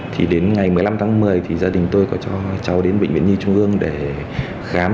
thì đến ngày một mươi năm tháng một mươi thì gia đình tôi có cho cháu đến bệnh viện nhi trung ương để khám